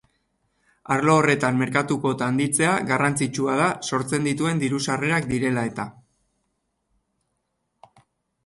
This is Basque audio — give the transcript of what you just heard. Arlo horretan merkatu-kuota handitzea garrantzitsua da sortzen dituen diru-sarrerak direla eta.